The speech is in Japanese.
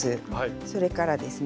それからですね